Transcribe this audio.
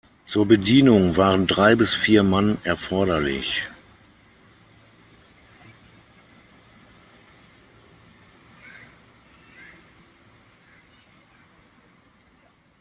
Zur Bedienung waren drei bis vier Mann erforderlich.